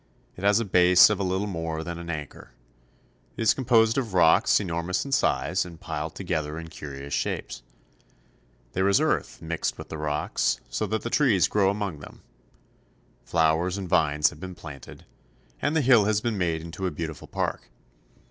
It has a base of a little more than an acre. It is composed of rocks enormous in size and piled together in curious shapes. There is earth mixed with the rocks, so that trees grow among them. Flowers and vines have been planted, and the hill has been made into a beautiful park.